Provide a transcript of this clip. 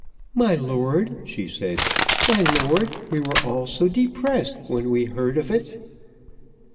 "My lord," she said, "my lord, we were all so depressed when we heard of it."